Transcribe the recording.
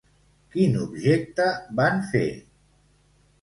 Quin objecte van fer?